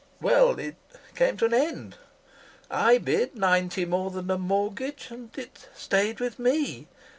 Well, it came to an end. I bid ninety more than the mortgage; and it stayed with me.